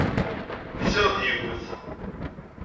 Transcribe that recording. Fsiɣ-d yiwet.